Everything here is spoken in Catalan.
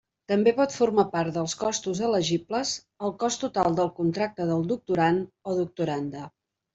També pot formar part dels costos elegibles el cost total del contracte del doctorand o doctoranda.